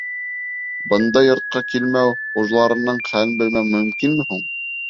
Бындай йортҡа килмәү, хужаларының хәлен белмәү мөмкинме һуң?